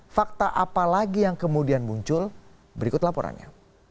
fakta apa lagi yang kemudian muncul berikut laporannya